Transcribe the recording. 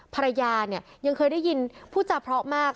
ภรรยายังเคยได้ยินผู้จับเพราะมาก